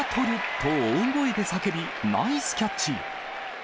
と大声で叫び、ナイスキャッチ。